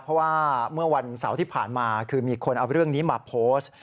เพราะว่าเมื่อวันเสาร์ที่ผ่านมาคือมีคนเอาเรื่องนี้มาโพสต์